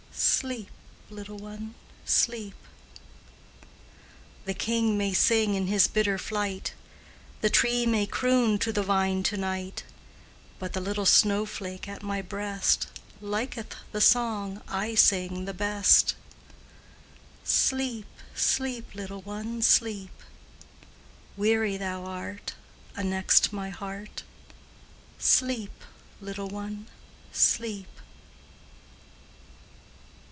Sleep, little one, sleep." The king may sing in his bitter flight, The tree may croon to the vine to night, But the little snowflake at my breast Liketh the song I sing the best, Sleep, sleep, little one, sleep; Weary thou art, anext my heart Sleep, little one, sleep.